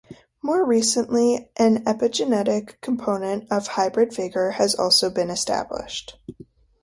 More recently, an epigenetic component of hybrid vigor has also been established.